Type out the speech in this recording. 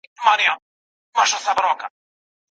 نصیب د جهاني په نوم یوه مینه لیکلې